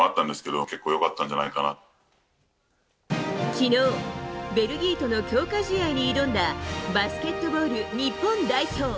昨日、ベルギーとの強化試合に挑んだバスケットボール日本代表。